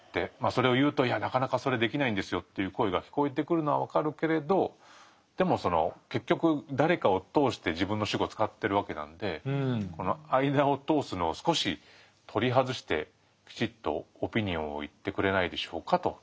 それを言うと「いやなかなかそれできないんですよ」という声が聞こえてくるのは分かるけれどでもその結局誰かを通して自分の主語を使ってるわけなのでこの間を通すのを少し取り外してきちっとオピニオンを言ってくれないでしょうかと。